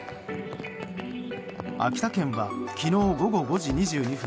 秋田県は昨日午後５時２２分